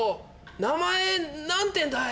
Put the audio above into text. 名前何ていうんだい？